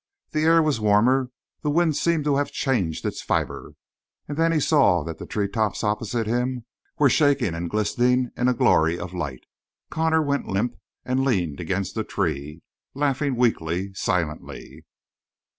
The air was warmer; the wind seemed to have changed its fiber; and then he saw that the treetops opposite him were shaking and glistening in a glory of light. Connor went limp and leaned against a tree, laughing weakly, silently.